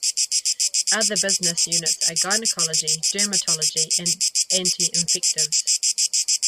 Other business units are gynecology, dermatology and anti-infectives.